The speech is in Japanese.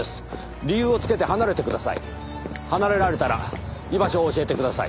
離れられたら居場所を教えてください。